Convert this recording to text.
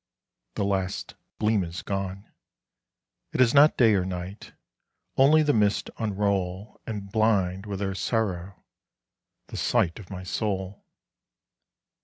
The last gleam is gone. It is not day or night; only the mists unroll And blind with their sorrow the sight of my soul.